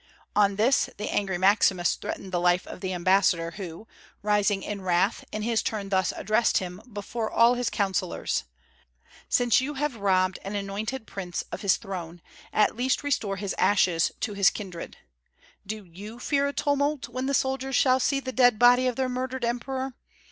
On this, the angry Maximus threatened the life of the ambassador, who, rising in wrath, in his turn thus addressed him, before all his councillors: "Since you have robbed an anointed prince of his throne, at least restore his ashes to his kindred. Do you fear a tumult when the soldiers shall see the dead body of their murdered emperor?